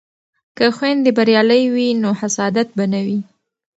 که خویندې بریالۍ وي نو حسادت به نه وي.